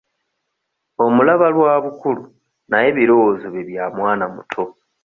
Omulaba lwa bukulu naye ebirowoozo bye bya mwana muto.